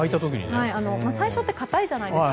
最初って固いじゃないですか。